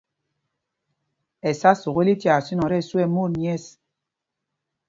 Ɛsá sukûl í tyaa sínɔŋ tí ɛsu ɛ́ mot nyɛ̂ɛs.